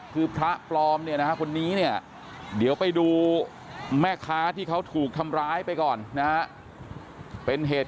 คือพระพระบาทพระบาทพระบาทพระบาทพระบาทพระบาท